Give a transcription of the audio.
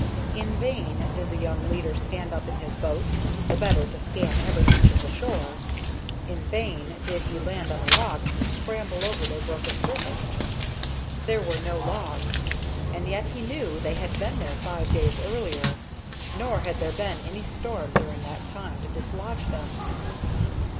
In vain did the young leader stand up in his boat, the better to scan every inch of the shore. In vain did he land on the rocks and scramble over their broken surface. There were no logs, and yet he knew they had been there five days earlier. Nor had there been any storm during that time to dislodge them.